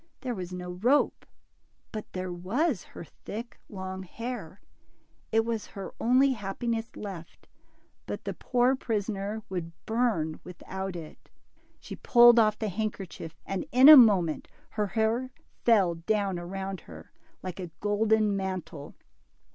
There was no rope, but there was her thick, long hair. It was her only happiness left, but the poor prisoner would burn without it. She pulled off the handkerchief, and in a moment her hair fell down around her, like a golden mantle.